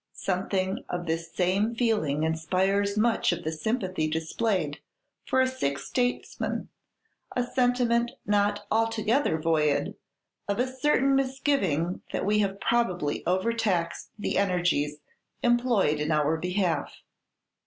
Something of this same feeling inspires much of the sympathy displayed for a sick statesman, a sentiment not altogether void of a certain misgiving that we have probably over taxed the energies employed in our behalf.